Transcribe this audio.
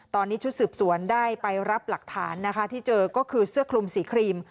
ตอนนี้ชุดสืบสวนได้ไปรับหลักฐานนะคะที่เจอก็คือเสื้อคลุมสีครีม